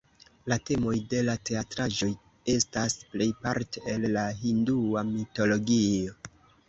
La temoj de la teatraĵoj estas plejparte el la hindua mitologio.